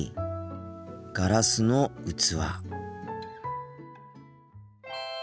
ガラスの器。